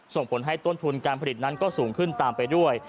ส่งผลให้ต้นทุนการผลิตนั้นก็สูงขึ้นตามไปด้วย